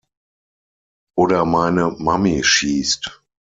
Oder meine Mami schießt!